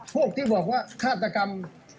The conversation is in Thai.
พวกที่บอกว่าฆาตกรรม